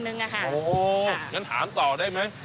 โอ้โฮอย่างนั้นถามต่อได้ไหม